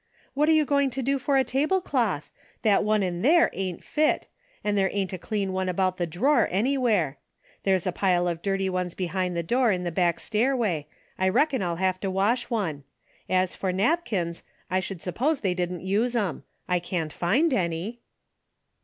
" What are you going to do for a tablecloth ? That one in there ain't fit, an' there ain't a clean one about the drawer anywhere. There's a pile of dirty ones behind the door in the back stair way. I reckon I'll have to wash one. As for napkins I should suppose they didn't use 'em. I can't find any."